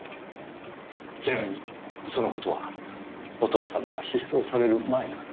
ちなみにその事はお父様が失踪される前から？